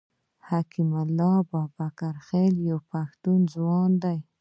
حکیم الله بابکرخېل یو پښتون ځوان دی.